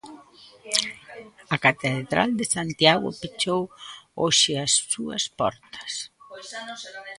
A catedral de Santiago pechou hoxe as súas portas.